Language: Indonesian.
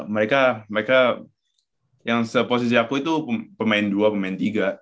mereka mereka yang seposisi aku itu pemain dua pemain tiga